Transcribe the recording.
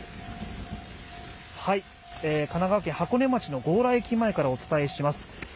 神奈川県箱根町の強羅駅前からお伝えします。